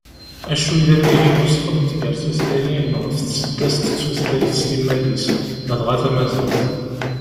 Acu i d amihi n usexleḍ gar tutlayin ɣef tseddast d tutlayt s timmad-is, ladɣa tamaziɣt?